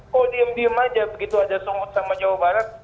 kok diem diem aja begitu ada sumut sama jawa barat